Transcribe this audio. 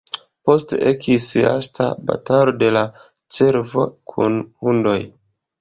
Poste ekis lasta batalo de la cervo kun hundoj.